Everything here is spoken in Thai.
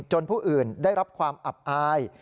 ผู้อื่นได้รับความอับอาย